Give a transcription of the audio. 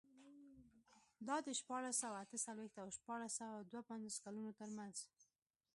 دا د شپاړس سوه اته څلوېښت او شپاړس سوه دوه پنځوس کلونو ترمنځ و.